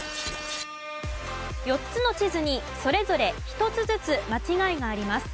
４つの地図にそれぞれ１つずつ間違いがあります。